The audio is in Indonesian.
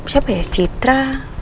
siapa ya citra